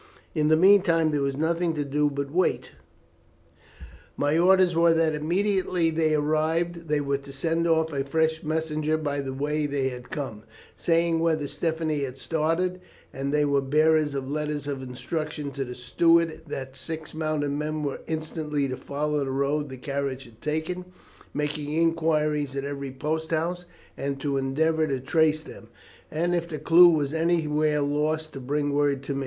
In the meantime there was nothing to do but to wait. My orders were that immediately they arrived they were to send off a fresh messenger by the way they had come, saying whether Stephanie had started, and they were bearers of letters of instruction to the steward that six mounted men were instantly to follow the road the carriage had taken, making inquiries at every post house, and to endeavour to trace them, and if the clue was anywhere lost to bring word to me.